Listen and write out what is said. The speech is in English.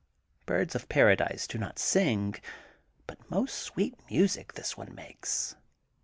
Birds of Paradise do not sing, but most sweet music this one makes.